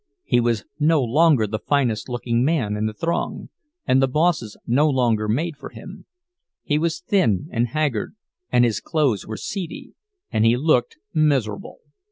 He was no longer the finest looking man in the throng, and the bosses no longer made for him; he was thin and haggard, and his clothes were seedy, and he looked miserable.